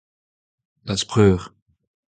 d'az preur.